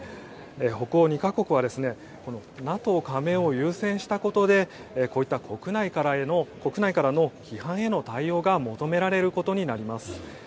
北欧２か国はＮＡＴＯ加盟を優先したことでこういった国内からの批判への対応が求められることになります。